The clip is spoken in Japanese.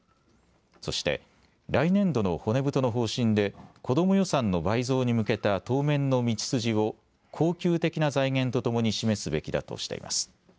そして、来年度の骨太の方針でこども予算の倍増に向けた当面の道筋を恒久的な財源とともに示すべきだとしています。